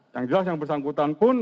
yang jelas yang bersangkutan pun